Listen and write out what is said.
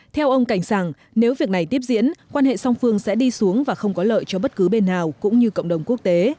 theo ông cảnh sàng nếu việc này tiếp diễn quan hệ song phương sẽ đi xuống và không có lợi cho bất cứ bên nào cũng như cộng đồng quốc tế